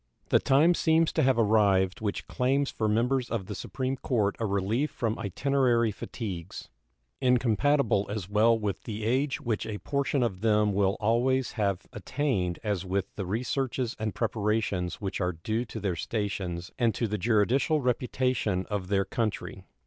The time seems to have arrived which claims for members of the Supreme Court a relief from itinerary fatigues, incompatible as well with the age which a portion of them will always have attained as with the researches and preparations which are due to their stations and to the juridical reputation of their country.